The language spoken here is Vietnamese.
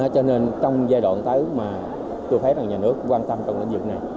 cho nên trong giai đoạn tới mà tôi thấy rằng nhà nước quan tâm trong lãnh dụng này